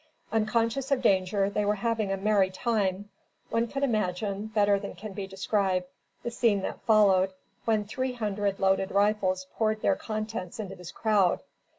Unconscious of danger, they were having a merry time. One can imagine, better than can be described, the scene that followed when three hundred loaded rifles poured their contents into this crowd.